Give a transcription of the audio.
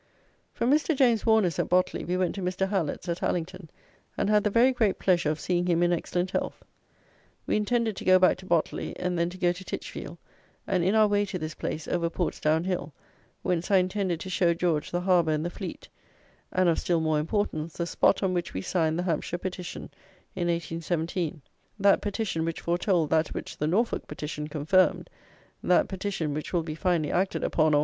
From Mr. James Warner's at Botley we went to Mr. Hallett's, at Allington, and had the very great pleasure of seeing him in excellent health. We intended to go back to Botley, and then to go to Titchfield, and, in our way to this place, over Portsdown Hill, whence I intended to show George the harbour and the fleet, and (of still more importance) the spot on which we signed the "Hampshire Petition," in 1817; that petition which foretold that which the "Norfolk Petition" confirmed; that petition which will be finally acted upon, or....